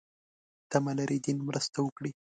تمه لري دین مرسته وکړي.